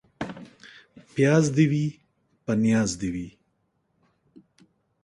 پياز دي وي ، په نياز دي وي.